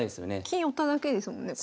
金寄っただけですもんね。